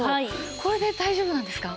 これで大丈夫なんですか？